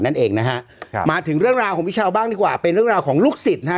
นั่นเองนะฮะครับมาถึงเรื่องราวของพี่เช้าบ้างดีกว่าเป็นเรื่องราวของลูกศิษย์นะฮะ